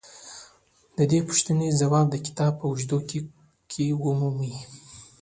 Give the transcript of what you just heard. د دې پوښتنې ځواب د کتاب په اوږدو کې مومئ.